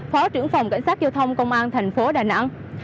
phó trưởng phòng cảnh sát giao thông công an thành phố đà nẵng